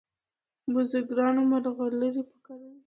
بزګرانو مرغلري په کرلې